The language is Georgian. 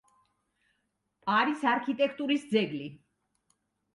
არის არქიტექტურის ძეგლი.